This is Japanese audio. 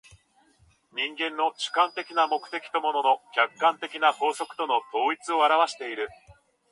人間の主観的な目的と物の客観的な法則との統一を現わしている。